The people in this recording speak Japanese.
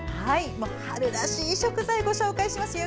春らしい食材をご紹介しますよ。